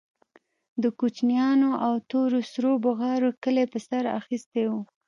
د کوچنيانو او تور سرو بوغارو کلى په سر اخيستى و.